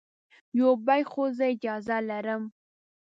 یو بیک خو زه اجازه لرم.